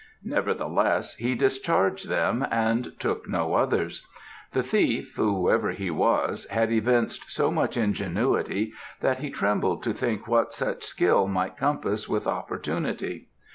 Nevertheless, he discharged them and took no others. The thief, whoever he was, had evinced so much ingenuity, that he trembled to think what such skill might compass with opportunity.